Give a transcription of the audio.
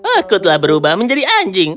aku telah berubah menjadi anjing